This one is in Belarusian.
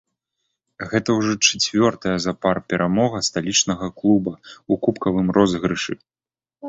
Гэта ўжо чацвёртая запар перамога сталічнага клуба ў кубкавым розыгрышы.